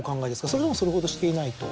それともそれほどしていないと。